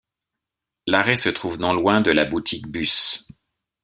L'arrêt se trouve non loin de la Boutique Buss.